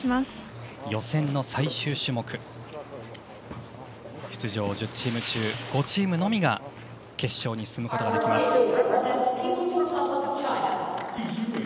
予選の最終種目出場１０チーム中５チームのみが決勝に進むことができます。